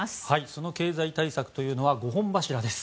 その経済対策というのは５本柱です。